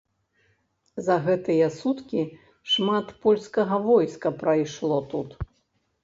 За гэтыя суткі шмат польскага войска прайшло тут.